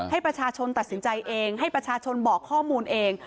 ให้ประชาชนตัดสินใจเองให้ประชาชนบอกข้อมูลเอง